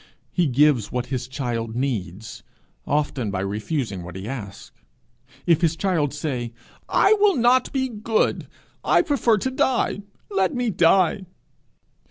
He gives what his child needs often by refusing what he asks. If his child say, 'I will not be good; I prefer to die; let me die!'